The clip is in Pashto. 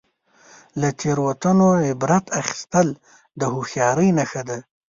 • له تیروتنو عبرت اخیستل د هوښیارۍ نښه ده.